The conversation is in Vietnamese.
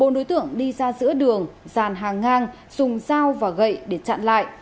bốn đối tượng đi ra giữa đường giàn hàng ngang dùng dao và gậy để chặn lại